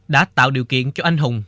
đã tạo điều kiện cho anh hùng